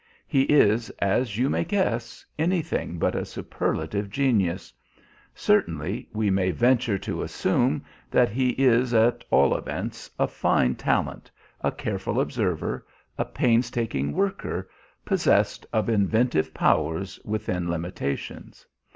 He is, as you may guess, anything but a superlative genius; certainly, we may venture to assume that he is, at all events, a fine talent, a careful observer, a painstaking worker, possessed of inventive powers within limitations.